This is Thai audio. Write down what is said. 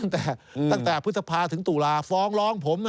ตั้งแต่พฤษภาสถึงตรุฬาศาสตร์ฟ้องร้องผม